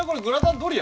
ドリア？